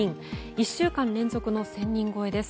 １週間連続の１０００人超えです。